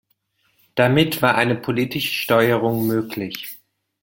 Damit war eine politische Steuerung möglich.